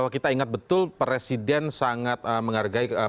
kita ingat betul presiden sangat menghargai